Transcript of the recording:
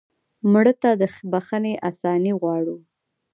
مړه ته د بښنې آساني غواړو